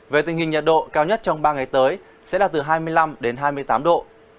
về tình hình nhiệt độ cao nhất trong ba ngày tới sẽ là từ hai mươi năm đến hai mươi tám độ